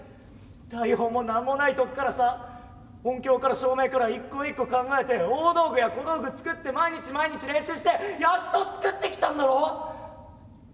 台本も何もないとこからさ音響から照明から一個一個考えて大道具や小道具作って毎日毎日練習してやっと作ってきたんだろ？